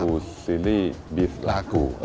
ฟูซินี่บีฟลากู